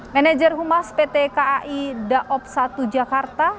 manager humas pt kai daob satu jakarta